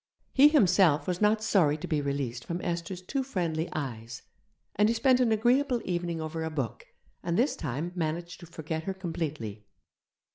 He himself was not sorry to be released from Esther's too friendly eyes, and he spent an agreeable evening over a book, and this time managed to forget her completely.